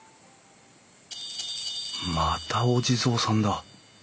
またお地蔵さんだ。